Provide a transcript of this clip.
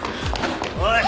おい！